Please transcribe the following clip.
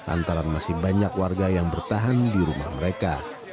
antara masih banyak warga yang bertahan di rumah mereka